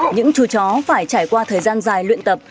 những chú chó phải trải qua thời gian dài luyện tập